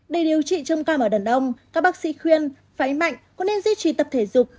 để điều trị trông cao ở đàn ông các bác sĩ khuyên phái mạnh cũng nên duy trì tập thể dục